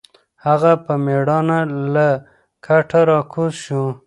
هغه په مېړانه له کټه راکوز شو.